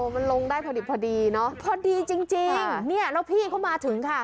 มันลงได้พอดีพอดีเนอะพอดีจริงจริงเนี่ยแล้วพี่เขามาถึงค่ะ